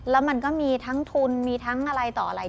แล้วมันก็มีทั้งทุนมีทั้งอะไรต่ออะไร